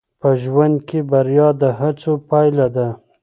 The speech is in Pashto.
په ژوند کې بریا د هڅو پایله ده.